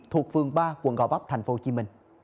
thuộc phương ba quận gò bắp tp hcm